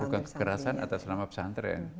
bukan kekerasan atas nama pesantren